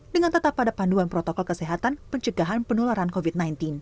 dengan tetap pada panduan protokol kesehatan pencegahan penularan covid sembilan belas